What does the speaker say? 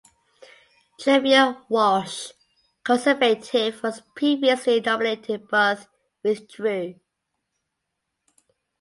Trevor Walsh (Conservative) was previously nominated but withdrew.